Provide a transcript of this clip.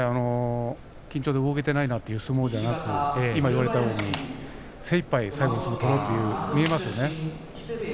緊張で動けていないなという相撲ではなく精いっぱい最後に相撲を取ろうと見えますね。